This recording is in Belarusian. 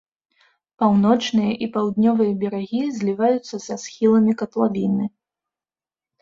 Паўночныя і паўднёвыя берагі зліваюцца са схіламі катлавіны.